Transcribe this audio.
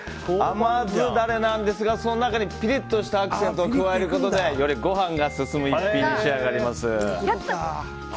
甘酢ダレなんですがその中にピリッとしたアクセントを加えることでよりご飯が進む一品に仕上がります。